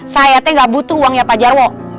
saya tidak butuh uangnya pak jarwo